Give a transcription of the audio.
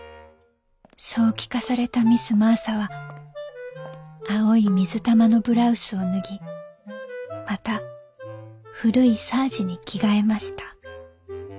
「そう聞かされたミス・マーサは青い水玉のブラウスを脱ぎまた古いサージに着替えました」。